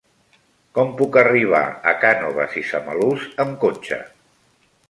Com puc arribar a Cànoves i Samalús amb cotxe?